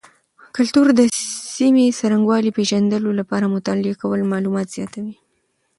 کلتور د سیمې د څرنګوالي پیژندلو لپاره مطالعه کول معلومات زیاتوي.